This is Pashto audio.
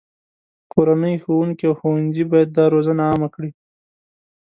کورنۍ، ښوونکي، او ښوونځي باید دا روزنه عامه کړي.